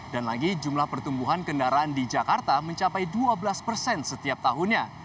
dan lagi jumlah pertumbuhan kendaraan di jakarta mencapai dua belas persen setiap tahunnya